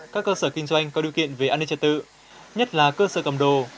các cơ sở kinh doanh có điều kiện về an ninh trật tự nhất là cơ sở cầm đồ